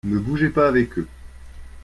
Ne bougez pas avec eux.